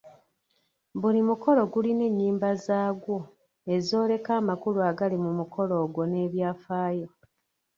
Buli mukolo gulina ennyimba zaagwo ezooleka amakulu agali mu mukolo ogwo n’ebyafaayo.